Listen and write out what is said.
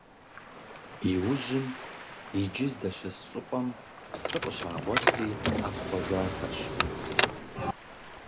Иужьым, иджы здэщыс щӏыпӏэм псы къыщагъуэтри ӏэпхъуэжахэщ.